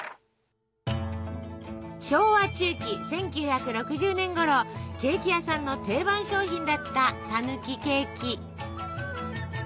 昭和中期１９６０年頃ケーキ屋さんの定番商品だったたぬきケーキ。